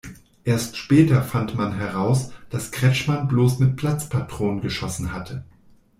Erst später fand man heraus, dass Kretschmann bloß mit Platzpatronen geschossen hatte.